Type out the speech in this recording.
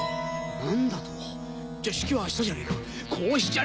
何だと⁉式は明日じゃねえかこうしちゃ！